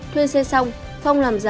thuê xe xong phong làm giả